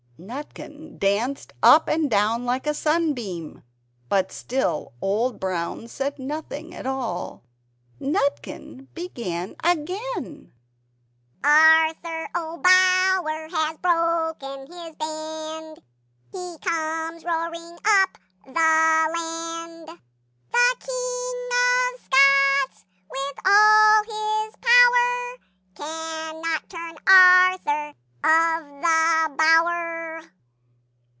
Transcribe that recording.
Nutkin danced up and down like a SUNBEAM; but still Old Brown said nothing at all. Nutkin began again "Authur O'Bower has broken his band, He comes roaring up the land! The King of Scots with all his power, Cannot turn Arthur of the Bower!"